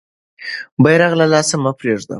بیرغ له لاسه مه پرېږده.